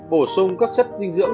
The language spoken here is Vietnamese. bổ sung các chất dinh dưỡng